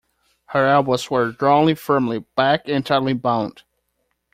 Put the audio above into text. Her elbows were drawn firmly back and tightly bound.